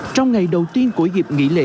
trong ngày đầu tiên của dịp nghỉ lễ